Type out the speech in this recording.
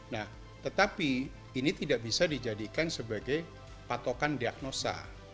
nah tetapi ini tidak bisa dijadikan sebagai patokan diagnosa